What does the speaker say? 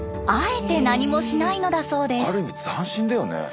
ある意味斬新だよね。